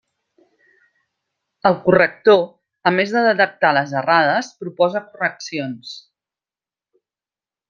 El corrector, a més de detectar les errades, proposa correccions.